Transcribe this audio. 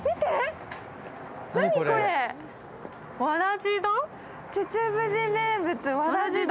わらじ丼？